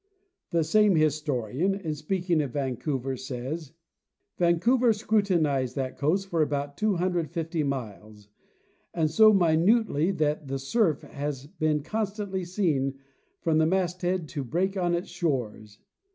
The same histo rian, in speaking of Vancouver, says: " Vancouver scrutinized that coast for about 250 miles, and so minutely that the surf has been constantly seen from the mast head to break on its shores.